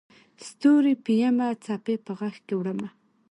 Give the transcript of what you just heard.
ستوري پېیمه څپې په غیږکې وړمه